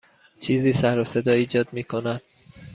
چیزی سر و صدا ایجاد می کند.